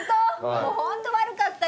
もうホント悪かったよ